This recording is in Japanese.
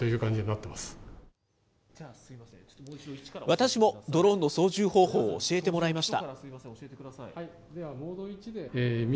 私もドローンの操縦方法を教えてもらいました。